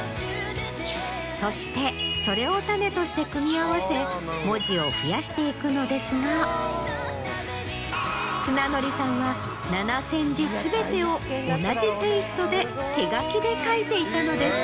そしてそれをタネとして組み合わせ文字を増やしていくのですが綱紀さんは７０００字全てを同じテイストで手書きで書いていたのです。